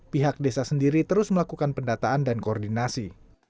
pihak desa sendiri terus melakukan pendataan dan koordinasi